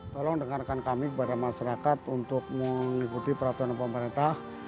tolong dengarkan kami kepada masyarakat untuk mengikuti peraturan pemerintah